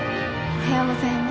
おはようございます。